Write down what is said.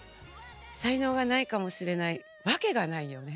才能がないかもしれないわけがないよね。